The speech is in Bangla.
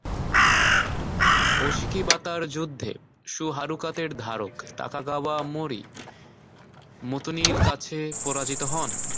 ওশিকিবাতার যুদ্ধে সু হারুকাতের ধারক তাকাগাওয়া মোরি মোতোনির কাছে পরাজিত হন।